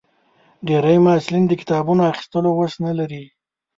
ډېری محصلین د کتابونو اخیستو وس نه لري.